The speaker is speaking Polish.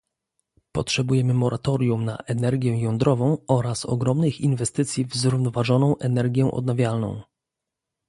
Potrzebujemy moratorium na energię jądrową oraz ogromnych inwestycji w zrównoważoną energię odnawialną